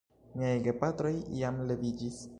Miaj gepatroj jam leviĝis.